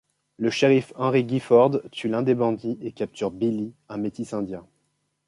Le shérif Henry Gifford tue l'un des bandits et capture Billy un métis indien.